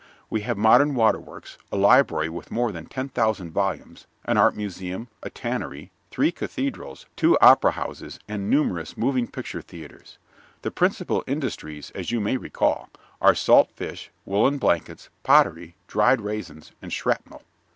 We have modern waterworks, a library with more than 10,000 volumes, an art museum, a tannery, three cathedrals, two opera houses and numerous moving picture theaters. The principal industries, as you may recall, are salt fish, woolen blankets, pottery, dried raisins and shrapnel.